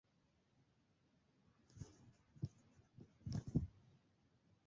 তার শখ ছিল ফুটবল এবং অ্যাথলেটিক্স।